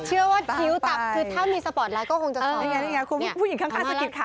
เชื่อว่าถ้ามีสปอร์ตไลน์ก็คงจะชอบ